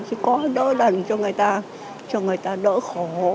chỉ có đỡ đần cho người ta cho người ta đỡ khổ